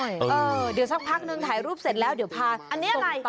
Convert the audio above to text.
เออเดี๋ยวสักพักนึงถ่ายรูปเสร็จแล้วเดี๋ยวพาส่งต่อไป